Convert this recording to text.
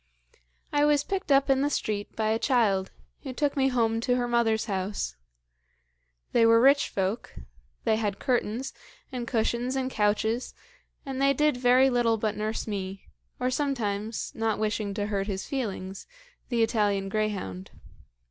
"I was picked up in the street by a child, who took me home to her mother's house. They were rich folk; they had curtains, and cushions, and couches, and they did very little but nurse me, or sometimes, not wishing to hurt his feelings, the Italian greyhound.